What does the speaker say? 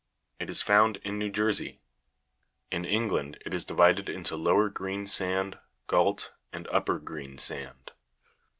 It is found in New Jersey. In England it is divided into lower green sand, gault, and upper green sand.